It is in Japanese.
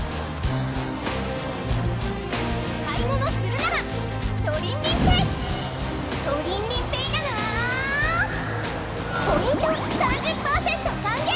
買い物するならトリンリンＰａｙトリンリンＰａｙならポイント３０％還元！